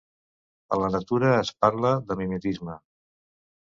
A la natura es parla de mimetisme.